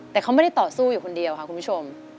แต่เขาไม่ได้ต่อสู้อยู่คนเดียวค่ะคุณผู้ชม